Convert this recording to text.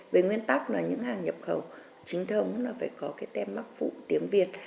về nguyên tắc là những hàng nhập khẩu chính thống là phải có cái tem mắc phụ tiếng việt